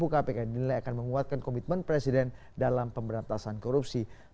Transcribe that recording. kami akan segera kembali